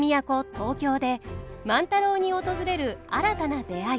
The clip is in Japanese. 東京で万太郎に訪れる新たな出会い。